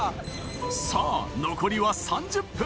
さぁ残りは３０分。